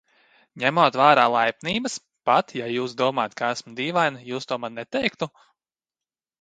Neņemot vērā laipnības, pat ja jūs domātu, ka esmu dīvaina, jūs to man neteiktu?